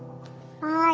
はい。